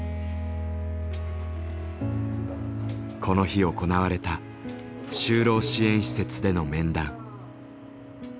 この日行われた就労支援施設での面談。